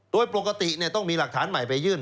โดยปกติต้องมีหลักฐานใหม่ไปยื่น